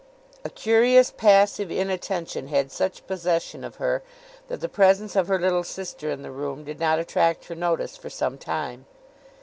A curious passive inattention had such possession of her, that the presence of her little sister in the room did not attract her notice for some time.